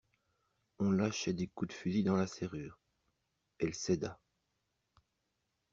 On lâchait des coups de fusil dans la serrure: elle céda.